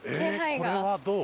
これはどう？